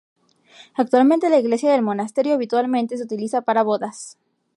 Actualmente la iglesia del monasterio habitualmente se utiliza para bodas.